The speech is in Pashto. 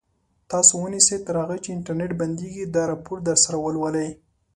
تاسو ونیسئ تر هغو چې انټرنټ بندېږي دا راپور درسره ولولئ.